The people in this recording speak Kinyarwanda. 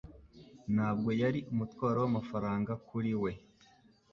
Ntabwo yari umutwaro w'amafaranga kuri we.